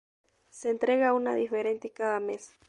Se entrega una diferente cada mes.